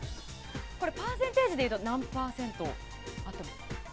パーセンテージでいうと何パーセント合ってますか？